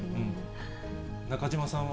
中島さんは？